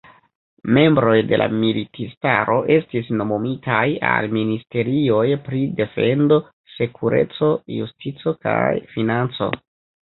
Membroj de la militistaro estis nomumitaj al ministerioj pri defendo, sekureco, justico kaj financo.